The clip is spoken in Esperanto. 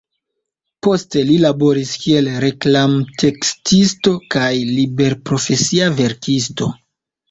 Poste li laboris kiel reklamtekstisto kaj liberprofesia verkisto.